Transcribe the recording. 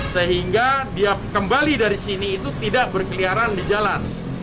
sehingga dia kembali dari sini itu tidak berkeliaran di jalan